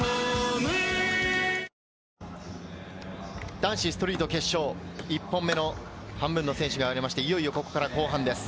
男子ストリート決勝、１本目の半分の選手が終わりまして、いよいよここから後半です。